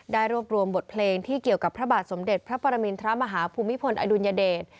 รวบรวมบทเพลงที่เกี่ยวกับพระบาทสมเด็จพระปรมินทรมาฮภูมิพลอดุลยเดช